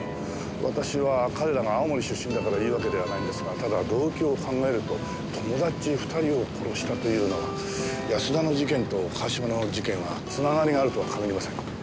私は彼らが青森出身だから言うわけではないんですがただ動機を考えると友達２人を殺したというのは安田の事件と川島の事件は繋がりがあるとは限りません。